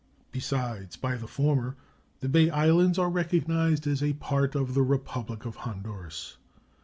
Besides, by the former the Bay Islands are recognized as a part of the Republic of Honduras.